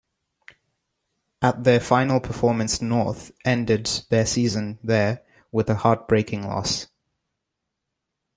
At their final Performance North ended their season there with a heart breaking loss.